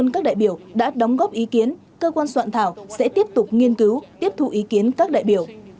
một trăm các đại biểu đã đóng góp ý kiến cơ quan soạn thảo sẽ tiếp tục nghiên cứu tiếp thu ý kiến các đại biểu